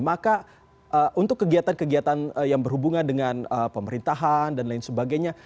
maka untuk kegiatan kegiatan yang berhubungan dengan pemerintahan dan lain sebagainya